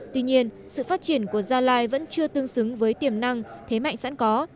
tuy nhiên sự phát triển của gia lai vẫn chưa tương xứng với tiềm năng thế mạnh sẵn có